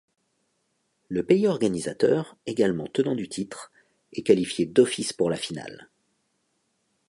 Le pays organisateur, également tenant du titre, est qualifié d'office pour la finale.